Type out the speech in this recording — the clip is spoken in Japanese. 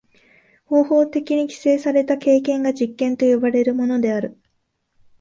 方法的に規制された経験が実験と呼ばれるものである。